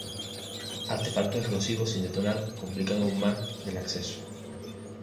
Artefactos explosivos sin detonar complican aún más el acceso.